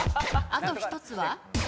あと１つは？